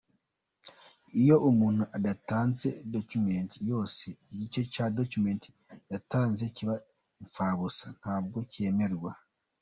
Iyo umuntu adatanze document yose, igice cya document yatanze kiba impfabusa; ntabwo cyemerwa.